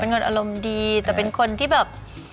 คนอารมณ์ดีแต่เป็นคนที่แบบ